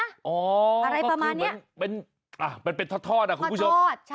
อ๋ออะไรประมาณเนี่ยอ๋อมันเป็นทอดคุณผู้ชมทอดใช่